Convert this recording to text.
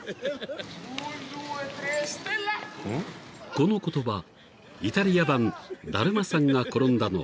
［この言葉イタリア版「だるまさんが転んだ」の掛け声］